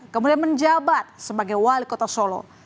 kemudian menjabat sebagai wali kota solo